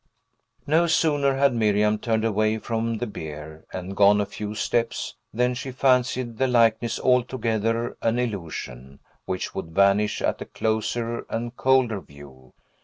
No sooner had Miriam turned away from the bier, and gone a few steps, than she fancied the likeness altogether an illusion, which would vanish at a closer and colder view.